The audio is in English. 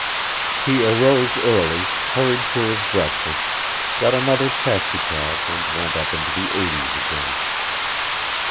He arose early, hurried through his breakfast, got another taxicab and went up into the Eighties again.